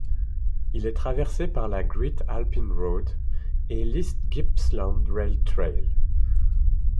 Il est traversé par la Great Alpine Road et l'East Gippsland Rail Trail.